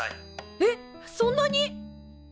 えっそんなに！？